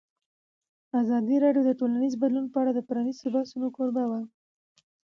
ازادي راډیو د ټولنیز بدلون په اړه د پرانیستو بحثونو کوربه وه.